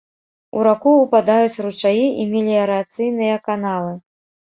У раку ўпадаюць ручаі і меліярацыйныя каналы.